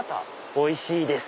「おいしいです！」